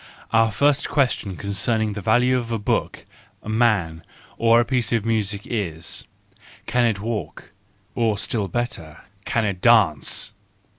Our first question concerning the value of a book, a man, or a piece of music is : Can it walk? or still better: Can it dance?